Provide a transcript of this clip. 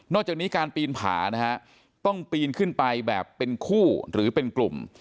จากนี้การปีนผานะฮะต้องปีนขึ้นไปแบบเป็นคู่หรือเป็นกลุ่ม